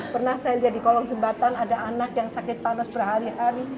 pernah saya lihat di kolong jembatan ada anak yang sakit panas berhari hari